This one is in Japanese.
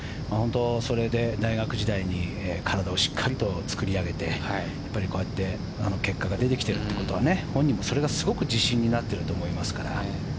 それで大学時代に体をしっかりと作り上げてこうやって結果が出てきているということは本人もそれがすごく自信になっていると思いますから。